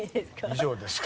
以上ですか？